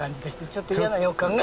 ちょっと嫌な予感が。